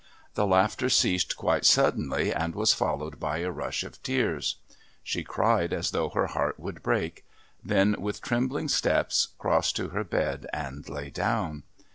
The laughter ceased quite suddenly and was followed by a rush of tears. She cried as though her heart would break, then, with trembling steps, crossed to her bed and lay down.